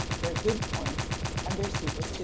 —_Their good points and their superstitions.